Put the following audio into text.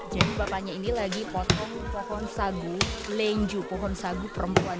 jadi bapaknya ini lagi potong pohon sagu lenju pohon sagu perempuan